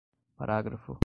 Parágrafo